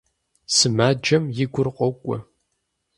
Сымаджэм и гур къокӀуэ.